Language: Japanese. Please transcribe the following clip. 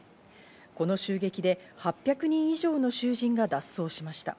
この襲撃で８００人以上の囚人が脱走しました。